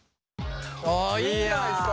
ああいいんじゃないですか？